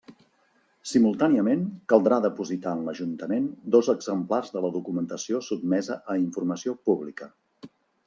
Simultàniament caldrà depositar en l'Ajuntament dos exemplars de la documentació sotmesa a informació pública.